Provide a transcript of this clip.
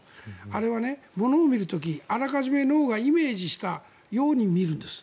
あれは物を見る時あらかじめ脳がイメージしたように見るんです。